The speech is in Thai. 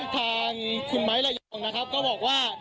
ทางคุณไม้ระยองจะบอกว่า